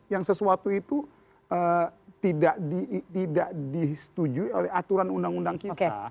yang sesuatu itu tidak disetujui oleh aturan undang undang kita